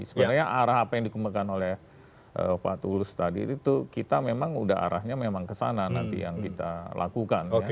sebenarnya arah apa yang dikembangkan oleh pak tulus tadi itu kita memang udah arahnya memang kesana nanti yang kita lakukan